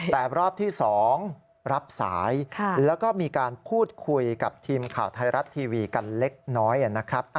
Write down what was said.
แต่รอบที่๒รับสายแล้วก็มีการพูดคุยกับทีมข่าวไทยรัฐทีวีกันเล็กน้อยนะครับ